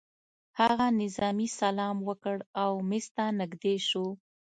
هغه نظامي سلام وکړ او مېز ته نږدې شو